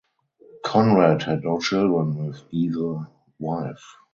Conrad had no children with either wife.